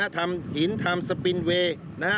ทำหินทำสปินเวย์